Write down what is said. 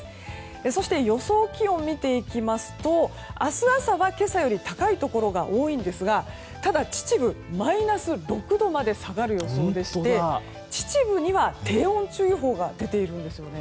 そして予想気温を見ていきますと明日朝は今朝より高いところが多いんですがただ秩父、マイナス６度まで下がる予想でして秩父には低温注意報が出ているんですよね。